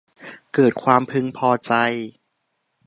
เกิดความพึงพอใจ